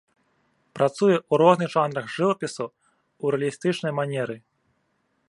Працуе ў розных жанрах жывапісу ў рэалістычнай манеры.